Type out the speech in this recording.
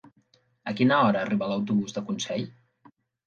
A quina hora arriba l'autobús de Consell?